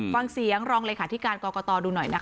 ฟังเสียงรองเลยค่ะที่การกกตดูหน่อยนะคะ